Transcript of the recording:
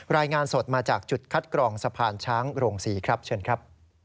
รายงานสดมาจากจุดคัดกรองสะพานช้างโรงศรีครับเชิญครับ